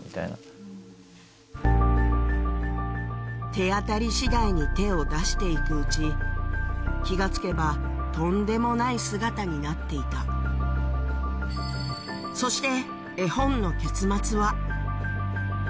手当たり次第に手を出していくうち気が付けばとんでもない姿になっていたそして